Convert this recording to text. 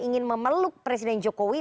ingin memeluk presiden jokowi